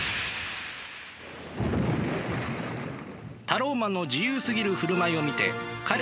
タローマンの自由すぎる振る舞いを見て彼らは思った。